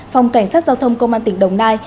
phòng cảnh sát giao thông công an tỉnh đồng nai